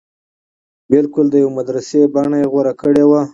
بلکل د يوې مدرسې بنه يې غوره کړې وه.